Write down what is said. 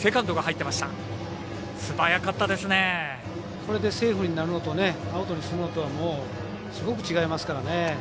これでセーフになるのとアウトになるのすごく違いますからね。